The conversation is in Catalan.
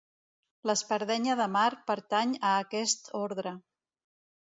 L'espardenya de mar pertany a aquest ordre.